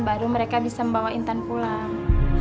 baru mereka bisa membawa intan pulang